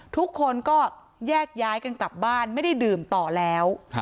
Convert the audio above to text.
ทุกคนก็แยกย้ายกันกลับบ้านไม่ได้ดื่มต่อแล้ว